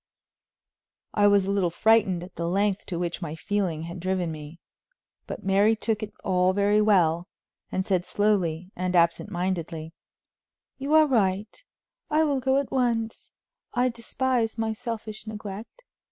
I was a little frightened at the length to which my feeling had driven me, but Mary took it all very well, and said slowly and absent mindedly: "You are right; I will go at once; I despise my selfish neglect.